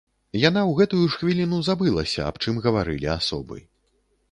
Яна ў гэтую ж хвіліну забылася, аб чым гаварылі асобы.